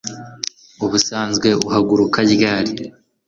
ubusanzwe uhaguruka ryari